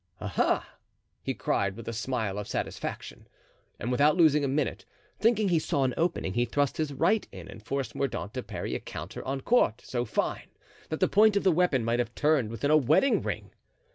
"Aha!" he cried with a smile of satisfaction. And without losing a minute, thinking he saw an opening, he thrust his right in and forced Mordaunt to parry a counter en quarte so fine that the point of the weapon might have turned within a wedding ring.